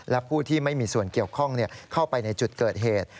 และผู้ที่ไม่มีส่วนเกี่ยวข้องเข้าไปในจุดเกิดเหตุ